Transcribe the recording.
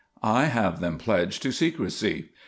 I have them pledged to secrecy.